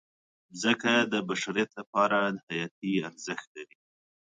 مځکه د بشریت لپاره حیاتي ارزښت لري.